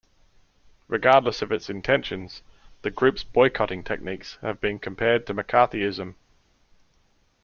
Regardless of its intentions, the group's boycotting techniques have been compared to McCarthyism.